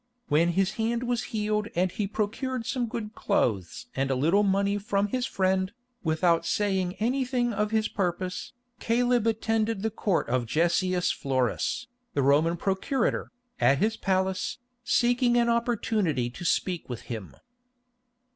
When his hand was healed and he procured some good clothes and a little money from his friend, without saying anything of his purpose, Caleb attended the court of Gessius Florus, the Roman procurator, at his palace, seeking an opportunity to speak with him.